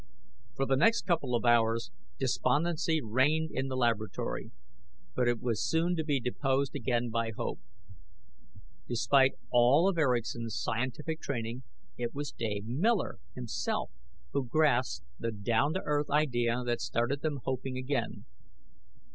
For the next couple of hours, despondency reigned in the laboratory. But it was soon to be deposed again by hope. Despite all of Erickson's scientific training, it was Dave Miller himself who grasped the down to earth idea that started them hoping again.